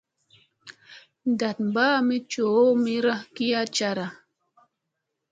Da ɓami coʼomira kiya cora.